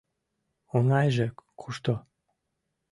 Оҥайже кушто?